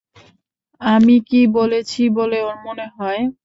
আমি কী বলেছি বলে ওর মনে হয়?